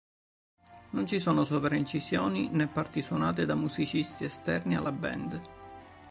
Non ci sono sovraincisioni né parti suonate da musicisti esterni alla band.